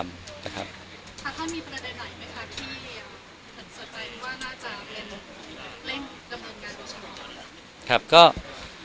ค่ะมีประโยชน์ใดไหมคะที่เห็นสบายหรือว่าน่าจะเล่นกระบวนการบุญชน